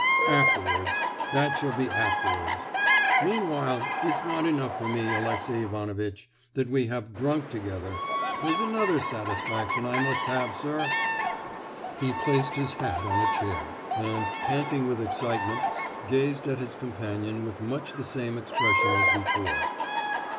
—afterwards—that shall be afterwards! Meanwhile it's not enough for me, Alexey Ivanovitch, that we have drunk together; there's another satisfaction I must have, sir!" He placed his hat on a chair, and, panting with excitement, gazed at his companion with much the same expression as before.